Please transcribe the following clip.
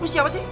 lo siapa sih